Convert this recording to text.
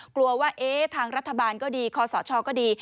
กลัวว่าทางรัฐบาลก็ดีคอสชก็ดี